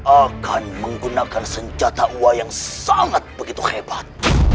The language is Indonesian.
akan menggunakan senjata uang yang sangat begitu hebat